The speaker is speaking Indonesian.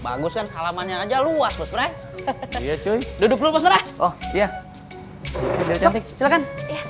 bagus kan halaman aja luas posbrai iya cuy duduk lu posbrai oh iya silakan